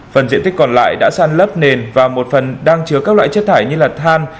phần diện tích còn lại đã san lấp nền và một phần đang chứa các loại chất thải như than